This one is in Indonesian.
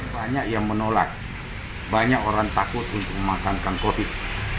banyak yang menolak banyak orang takut untuk memakamkan covid